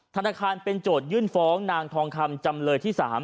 ธนาคารเป็นโจทยื่นฟ้องนางทองคำจำเลยที่๓